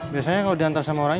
biasanya kalau diantar sama orang